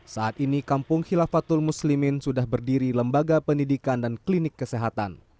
saat ini kampung khilafatul muslimin sudah berdiri lembaga pendidikan dan klinik kesehatan